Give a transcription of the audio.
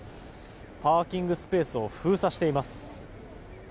パーキングスペースを封鎖しています。